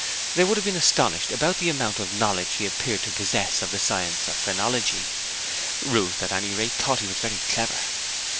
They would have been astonished at the amount of knowledge he appeared to possess of the science of Phrenology. Ruth, at any rate, thought he was very clever.